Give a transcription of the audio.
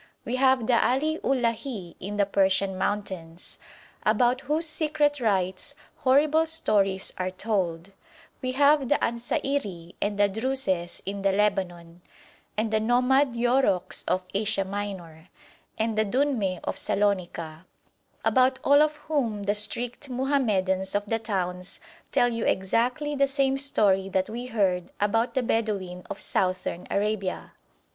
We have the Ali Ullah hi in the Persian mountains, about whose secret rites horrible stories are told; we have the Ansairi and the Druses in the Lebanon, and the nomad Yourouks of Asia Minor, and the Dünmeh of Salonika, about all of whom the strict Mohammedans of the towns tell you exactly the same story that we heard about the Bedouin of Southern Arabia.